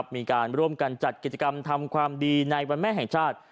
มีการร่วมกันจัดกิจกรรมทำความดีในวันแม่แห่งชาติ